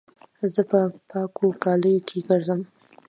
زه په پاکو کالو کښي ګرځم.